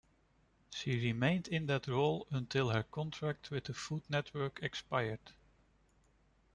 She remained in that role until her contract with the Food Network expired.